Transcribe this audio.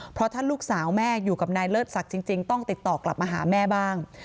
เพราะถ้าลูกสาวแม่อยู่กับนายเลิศศักดิ์จริงต้องติดต่อกลับมาหาแม่บ้าง